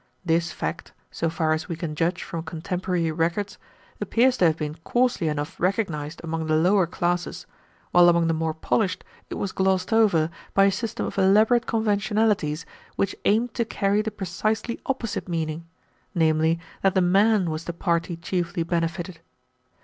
This fact, so far as we can judge from contemporary records, appears to have been coarsely enough recognized among the lower classes, while among the more polished it was glossed over by a system of elaborate conventionalities which aimed to carry the precisely opposite meaning, namely, that the man was the party chiefly benefited.